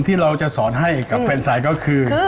ที่เราจะสอนให้กับแฟนชายก็คือ